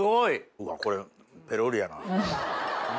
うわっこれペロリやな。